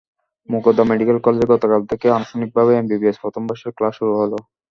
Mugda medical কলেজে গতকাল থেকে আনুষ্ঠানিকভাবে এমবিবিএস প্রথম বর্ষের ক্লাস শুরু হলো।